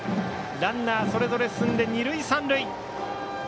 ランナー、それぞれ進んで二塁三塁。